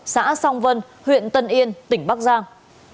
xã song vân huyện tân yên tỉnh bắc giang